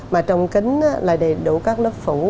mà trọng kính là đầy đủ các lớp phủ